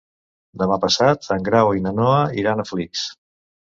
Demà passat en Grau i na Noa iran a Flix.